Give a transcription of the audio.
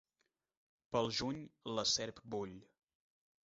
Pel juny la serp bull.